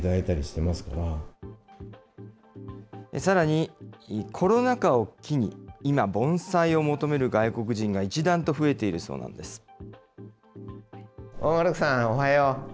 さらに、コロナ禍を機に、今、盆栽を求める外国人が一段と増えているそうなんです。